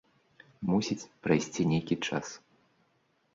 Мусіць прайсці нейкі час.